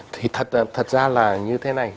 thì thật ra là như thế này